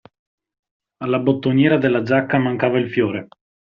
Alla bottoniera della giacca mancava il fiore.